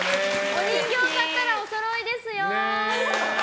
お人形買ったらおそろいですよ！